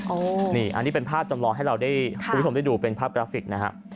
อันนี้เป็นภาพจำลองให้เราได้คุณผู้ชมได้ดูเป็นภาพกราฟิกนะฮะ